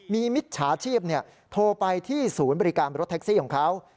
มีมิจฉาชีพโทรไปที่ศูนย์บริการรถแท็กซี่ของเขา